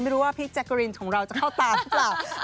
ไม่รู้ว่าพี่แจกรินของเราจะเข้าตามหรือเปล่า